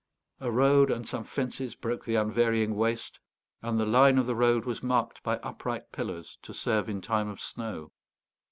A road and some fences broke the unvarying waste, and the line of the road was marked by upright pillars, to serve in time of snow.